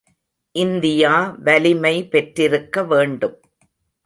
India வலிமை பெற்றிருக்க வேண்டும்.